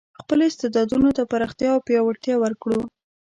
خپل استعدادونو ته پراختیا او پیاوړتیا ورکړو.